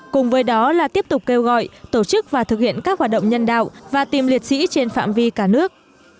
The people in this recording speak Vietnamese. cùng với đó là tiếp tục kêu gọi tổ chức và thực hiện các hoạt động nhân đạo và tìm liệt sĩ trên phạm vi cả nước